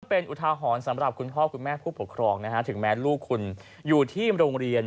เป็นอุทาหรณ์สำหรับคุณพ่อคุณแม่ผู้ปกครองนะฮะถึงแม้ลูกคุณอยู่ที่โรงเรียน